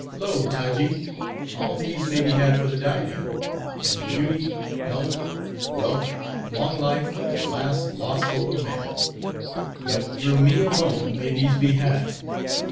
"Lo! Taji; all these may be had for the diving; and Beauty, Health, Wealth, Long Life, and the Last Lost Hope of man. But through me alone, may these be had.